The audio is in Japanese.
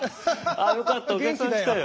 ああよかったお客さん来たよ。